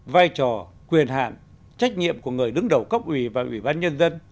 vai trò quyền hạn trách nhiệm của người đứng đầu cấp ủy và ủy ban nhân dân